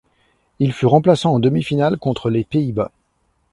Il fut remplaçant en demi-finale contre les Pays-Bas.